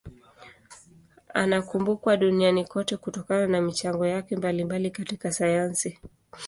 Anakumbukwa duniani kote kutokana na michango yake mbalimbali katika sayansi.